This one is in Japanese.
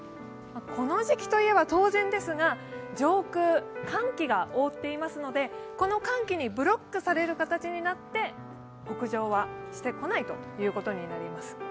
この時期といえば当然ですが、上空、寒気が覆っていますのでこの寒気にブロックされる形で北上はしてこないということになります。